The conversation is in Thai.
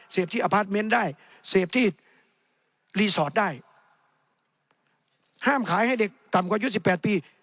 ที่อพาร์ทเมนต์ได้เสพที่รีสอร์ทได้ห้ามขายให้เด็กต่ำกว่ายุสิบแปดปี